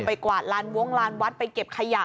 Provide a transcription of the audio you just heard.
กวาดลานว้งลานวัดไปเก็บขยะ